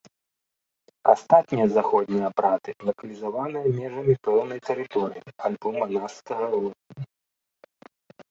Астатнія заходнія абрады лакалізаваныя межамі пэўнай тэрыторыі альбо манаскага ордэна.